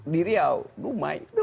di riau dumai